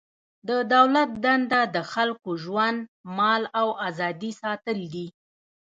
د دولت دنده د خلکو ژوند، مال او ازادي ساتل دي.